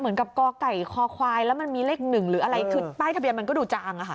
เหมือนกับกอกไก่คอควายแล้วมันมีเลขหนึ่งหรืออะไรคือใต้ทะเบียนมันก็ดูจาง